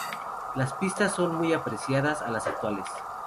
Las pistas son muy parecidas a las actuales.